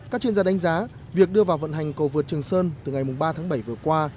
các chuyên gia đánh giá việc đưa vào vận hành cầu vượt trường sơn từ ngày ba tháng bảy vừa qua